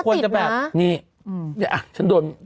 พี่ทำซามทุกวันเนี่ยค่ะ